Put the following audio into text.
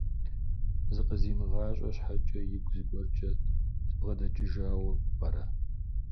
Зыкъызимыгъащӏэ щхьэкӏэ, игу зыгуэркӏэ збгъэдэкӏыжауэ пӏэрэ?